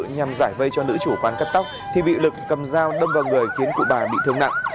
nhằm giải vây cho nữ chủ quán cắt tóc thì bị lực cầm dao đâm vào người khiến cụ bà bị thương nặng